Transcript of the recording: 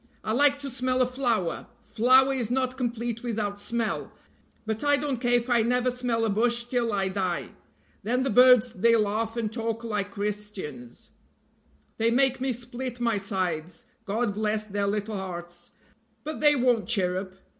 I like to smell a flower flower is not complete without smell but I don't care if I never smell a bush till I die. Then the birds they laugh and talk like Christians; they make me split my sides, God bless their little hearts; but they won't chirrup.